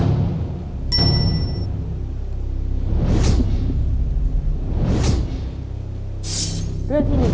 ขอบคุณครับ